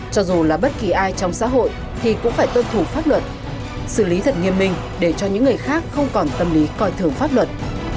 cho dù là bất kỳ ai trong xã hội thì cũng phải tuân thủ pháp luật xử lý thật nghiêm minh để cho những người khác không còn tâm lý coi thường pháp luật